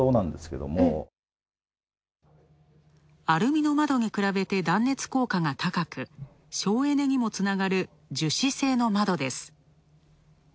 アルミの窓に比べて断熱効果が高く省エネにもつながる樹脂製の窓です。